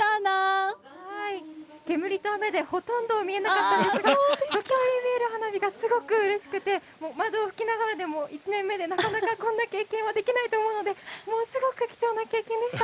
煙と雨で、ほとんど見えなかったですが見える花火がすごくうれしくて、窓を拭きながらでも１年目でなかなかこんな経験はできないと思うので、すごく貴重な経験でした。